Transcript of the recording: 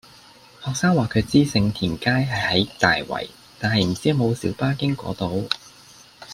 學生話佢知盛田街係喺大圍，但係唔知有冇小巴經嗰度